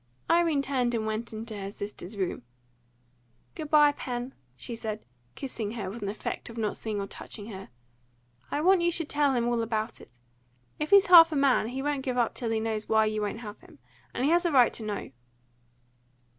Irene turned and went into her sister's room. "Good bye, Pen," she said, kissing her with an effect of not seeing or touching her. "I want you should tell him all about it. If he's half a man, he won't give up till he knows why you won't have him; and he has a right to know."